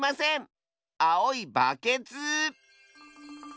あおいバケツ！